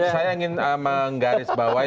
saya ingin menggaris bawah